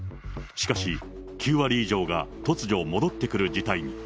しかし、９割以上が突如、戻ってくる事態に。